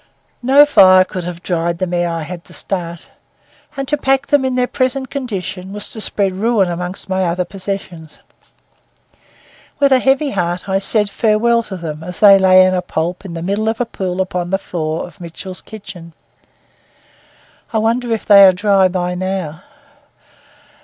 No fire could have dried them ere I had to start; and to pack them in their present condition was to spread ruin among my other possessions. With a heavy heart I said farewell to them as they lay a pulp in the middle of a pool upon the floor of Mitchell's kitchen. I wonder if they are dry by now.